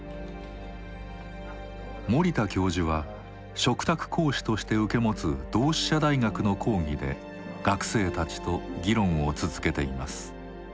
森田教授は嘱託講師として受け持つ同志社大学の講義で学生たちと議論を続けています。